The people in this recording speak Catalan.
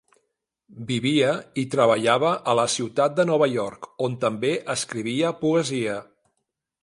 Vivia i treballava a la ciutat de Nova York, on també escrivia poesia.